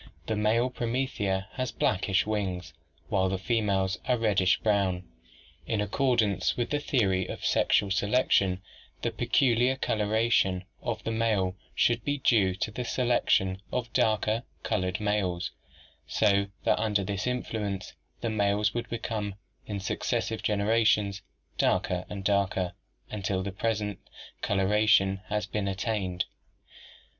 The male promethea has blackish wings while the females are reddish brown. In accordance with the theory of sexual selection, the peculiar coloration of the male should be due to the selection of darker colored males, so that under this influence the males would become, in successive genera tions, darker and darker until the present coloration has been attained.